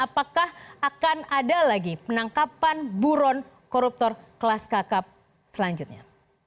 apakah akan ada lagi penangkapan buron koruptor kelas kakap selanjutnya